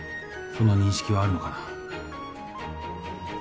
その認識はあるのかな？